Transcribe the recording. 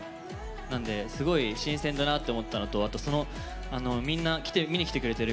なんですごい新鮮だなって思ったのと見に来てくれてる